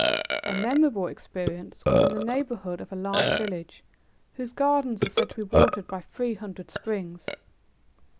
A memorable experience was in the neighborhood of a large village whose gardens are said to be watered by three hundred springs.